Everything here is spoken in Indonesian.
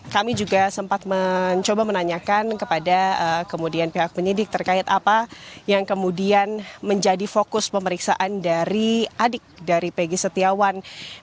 kami juga sempat mencoba menanyakan kepada kemudian pihak penyidik terkait apa yang kemudian menjadi fokus pemeriksaan dari adik dari pegi setiawan